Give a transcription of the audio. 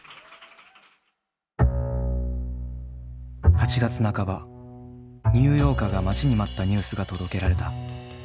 ８月半ばニューヨーカーが待ちに待ったニュースが届けられた。